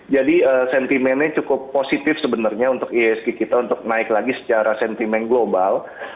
sentimennya cukup positif sebenarnya untuk ihsg kita untuk naik lagi secara sentimen global